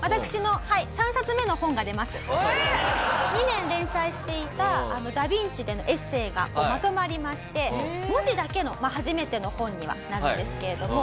２年連載していた『ダ・ヴィンチ』でのエッセイがまとまりまして文字だけの初めての本にはなるんですけれども。